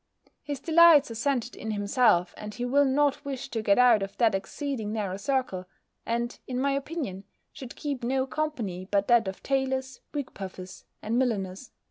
His delights are centred in himself, and he will not wish to get out of that exceeding narrow circle; and, in my opinion, should keep no company but that of taylors, wig puffers, and milliners.